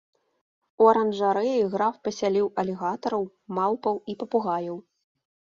У аранжарэі граф пасяліў алігатараў, малпаў і папугаяў.